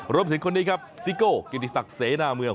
รวมถึงคนนี้ครับซิโก้กินที่ศักดิ์เสนาเมือง